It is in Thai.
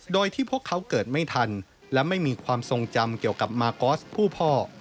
โดยที่พวกเขาเกิดไม่ทันและไม่มีความทรงจำเกี่ยวกับมากอสผู้พ่อ